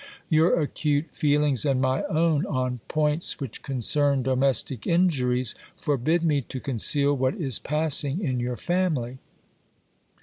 \ our acute feelings and my own, on points which concern domestic injuries, 292 GIL BLAS. forbid me to conceal what is passing in your family.